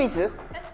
えっ？